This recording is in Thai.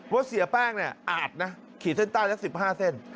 เสียแป้งเนี่ยอาจนะขีดเส้นใต้ละ๑๕เส้น